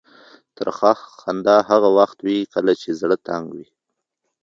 ترخه خندا هغه وخت وي کله چې زړه تنګ وي.